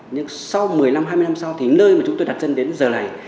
nhưng sau một mươi năm hai mươi năm sau thì nơi mà chúng tôi đặt dân đến giờ này